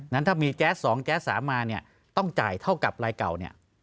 นั้นถ้ามีแก๊ส๒แก๊ส๓มาเนี่ยต้องจ่ายเท่ากับรายเก่าเนี่ย